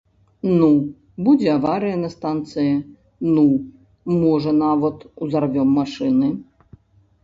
Ну, будзе аварыя на станцыі, ну, можа, нават узарвём машыны.